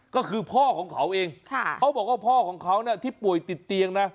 ก็คือพ่อของเขาเองเขาบอกว่าพ่อของเขาที่ป่วยติดเตียงนะ